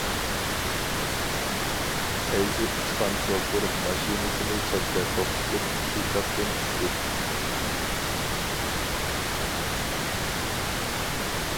پەيزى ئۇچقان شوپۇر ماشىنىسىنى چەتتە توختىتىپ پىكاپتىن چۈشتى.